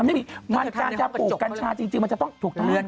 มันจะปลูกกัญชาจริงมันจะต้องถูกทาง